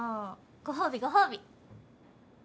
ご褒美ご褒美。